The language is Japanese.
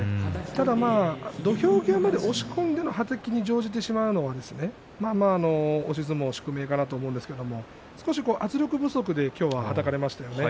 ただ土俵際まで押し込んでのはたきに乗じてしまうのは押し相撲の宿命かなと思いますが少し圧力不足で今日ははたかれましたよね。